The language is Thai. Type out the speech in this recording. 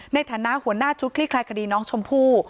ในฐานะหัวหน้าชุดคลี่คลายคดีน้องชมพู่